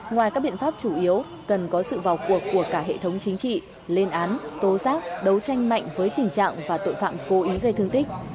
ngoài các biện pháp chủ yếu cần có sự vào cuộc của cả hệ thống chính trị lên án tố giác đấu tranh mạnh với tình trạng và tội phạm cố ý gây thương tích